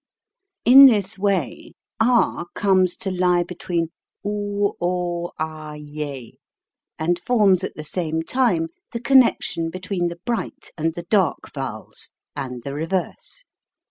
In this way ah comes to lie between oo o'ah'ya, and forms at the same time the connection between the bright and the dark vowels, and the reverse.